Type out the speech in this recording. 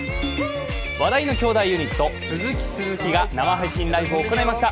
話題の兄弟ユニット鈴木鈴木が生配信ライブを行いました。